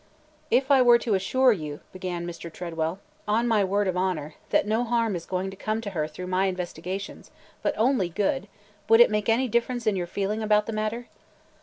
"If I were to assure you," began Mr. Tredwell, "on my word of honor, that no harm is going to come to her through my investigations, but only good, would it make any difference in your feeling about the matter?"